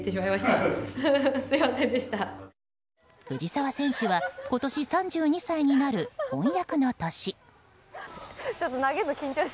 藤澤選手は今年３２歳になる本厄の年。